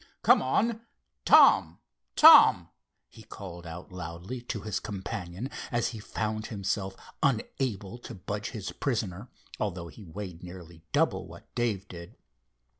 Come on. Tom! Tom!" he called out loudly, to his companion, as he found himself unable to budge his prisoner, although he weighed nearly double what Dave did.